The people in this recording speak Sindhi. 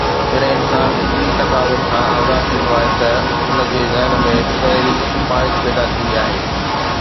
جڏهن انسان فطري تقاضائن کان آزاد ٿيندو آهي ته ان جي ذهن ۾ پهرين خواهش پيدا ٿيندي آهي.